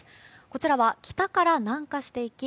こちらは北から南下していき